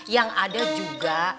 yang ada juga